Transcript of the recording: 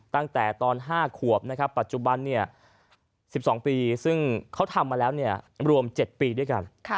ตั้งแต่ตอน๕ขวบนะครับปัจจุบัน๑๒ปีซึ่งเขาทำมาแล้วรวม๗ปีด้วยกัน